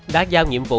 đã giao nhiệm vụ